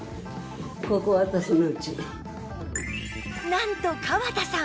なんと川田さん